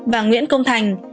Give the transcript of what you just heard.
và nguyễn công thành